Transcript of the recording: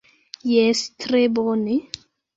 Jes tre bone!